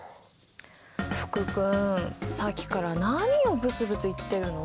福君さっきから何をぶつぶつ言ってるの？